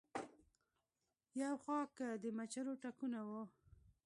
يو خوا کۀ د مچرو ټکونه وو